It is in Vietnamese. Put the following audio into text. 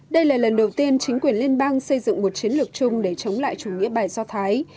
đây là lần đầu tiên chính quyền liên bang xây dựng một chiến lược chung để chống lại chủ nghĩa bài do thái